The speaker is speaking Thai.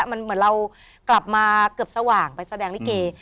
มันเหมือนเรากลับมาเกือบสว่างไปแสดงลิเก